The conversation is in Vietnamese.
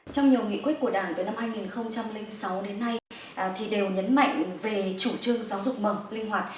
trong nhiều nghị quyết của đảng từ năm hai nghìn sáu đến nay đều nhấn mạnh về chủ trương giáo dục mầm linh hoạt